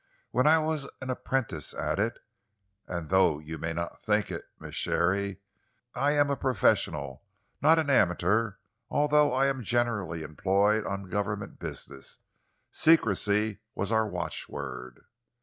When I was an apprentice at it and though you may not think it. Miss Sharey, I am a professional, not an amateur, although I am generally employed on Government business secrecy was our watchword.